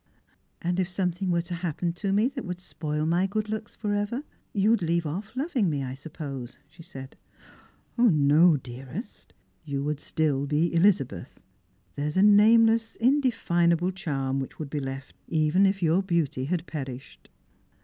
" And if something were to happen to me that would spoil my good looks for ever, you would leave off loving me, I suppose ?" she said. " No, dearest, you would still be Elizabeth. There is a name less, indefinable charm which would be left even if your beauty had perished."